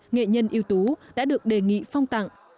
nghệ nhân yêu tú đã được đề nghị phong tặng